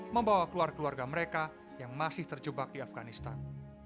membawa keluarga keluarga mereka yang masih terjebak di afganistan